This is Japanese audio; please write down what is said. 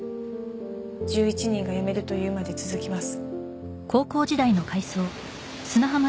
１１人が「辞める」と言うまで続きます